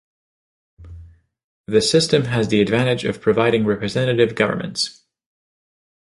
This system has the advantage of providing representative governments.